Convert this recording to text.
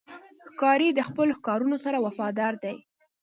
ښکاري د خپلو ښکارونو سره وفادار دی.